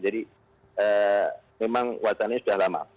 jadi memang wajahnya sudah lama